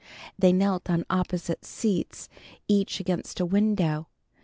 They knelt on opposite seats, each against a window.